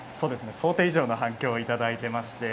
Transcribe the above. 想定以上の反響をいただいています。